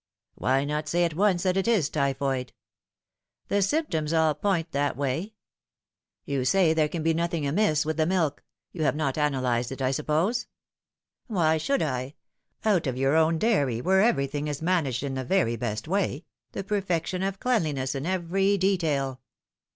" Why not say at once that it is typhoid ?"" The symptoms all point that way." " You say there can be nothing amiss with the millr. You have not analysed it, I suppose ?"" Why should I ? Out of your own dairy, where everything is managed in the very best way the perfection of cleanliness in every detail."